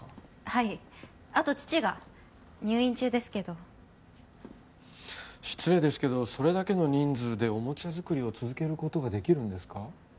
はいあと父が入院中ですけど失礼ですけどそれだけの人数でおもちゃ作りを続けることができるんですか？